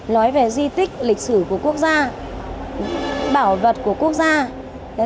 nói về di tích lịch sử của quốc gia bảo vật của quốc gia